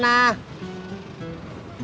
udah aku balik ya